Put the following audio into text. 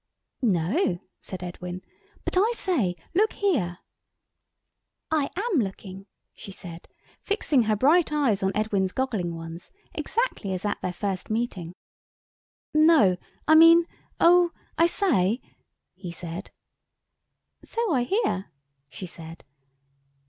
"No," said Edwin, "but I say, look here——" "I am looking," she said, fixing her bright eyes on Edwin's goggling ones, exactly as at their first meeting. "No—I mean—oh—I say—" he said. "So I hear," she said.